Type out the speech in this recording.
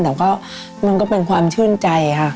แต่ก็มันก็เป็นความชื่นใจค่ะ